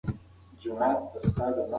خره په خیال کی د شنېلیو نندارې کړې